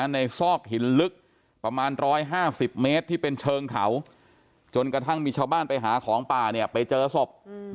ซอกหินลึกประมาณ๑๕๐เมตรที่เป็นเชิงเขาจนกระทั่งมีชาวบ้านไปหาของป่าเนี่ยไปเจอศพ